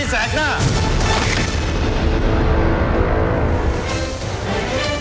ชูวิตตีแสกหน้า